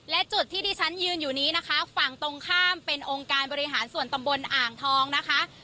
และจุดที่ที่ฉันยืนอยู่นี้นะคะฝั่งตรงข้ามเป็นองค์การบริหารส่วนตำบลอ่างทองนะคะ